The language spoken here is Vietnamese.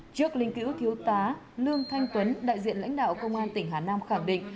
trước linh cữu thiếu tá lương thanh tuấn đại diện lãnh đạo công an tỉnh hà nam khẳng định